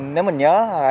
nếu mình nhớ